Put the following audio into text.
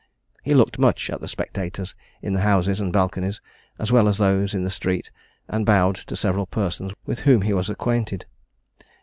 He looked much at the spectators in the houses and balconies, as well as at those in the street, and bowed to several persons with whom he was acquainted.